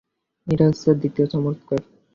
এটা হচ্ছে দ্বিতীয় চমৎকার।